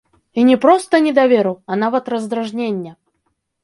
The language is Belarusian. І не проста недаверу, а нават раздражнення.